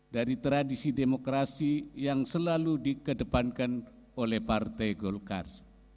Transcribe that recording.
dari tradisi demokrasi yang selalu dikedepankan oleh partai golkar